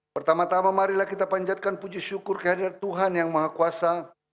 pertama tama marilah kita panjatkan puji syukur kehadiran tuhan yang maha kuasa